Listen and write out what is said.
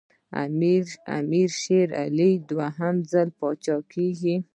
امیر شېر علي خان دوهم ځل پاچا کېږي.